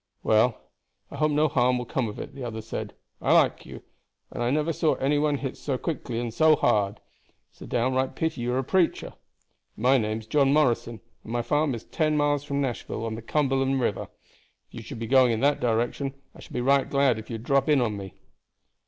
"Well, I hope no harm will come of it," the other said. "I like you, and I never saw any one hit so quickly and so hard. It's a downright pity you are a preacher. My name's John Morrison, and my farm is ten miles from Nashville, on the Cumberland River. If you should be going in that direction I should be right glad if you would drop in on me."